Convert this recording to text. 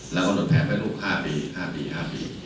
แล้วก็ลดแพงแพงลูก๕ปี